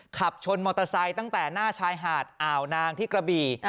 ขับชนมอเตอร์ไซค์ตั้งแต่หน้าชายหาดอ่าวนางที่กระบี่